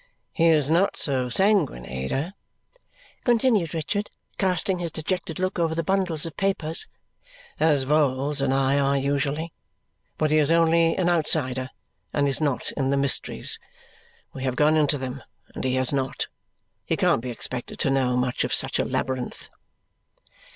"He is not so sanguine, Ada," continued Richard, casting his dejected look over the bundles of papers, "as Vholes and I are usually, but he is only an outsider and is not in the mysteries. We have gone into them, and he has not. He can't be expected to know much of such a labyrinth."